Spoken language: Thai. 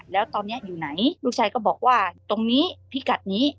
แล้วตอนนี้อยู่ไหนลูกชายก็บอกว่าตรงนี้พิกัดนี้